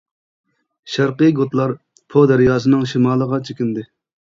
شەرقىي گوتلار پو دەرياسىنىڭ شىمالىغا چېكىندى.